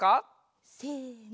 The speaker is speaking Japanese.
せの。